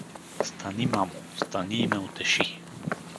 Стани, мамо… стани и ме утеши!